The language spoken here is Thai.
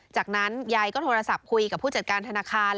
จากนั้นยายก็โทรศัพท์คุยกับผู้จัดการธนาคาร